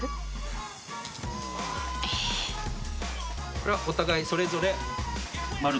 これはお互いそれぞれまるっと。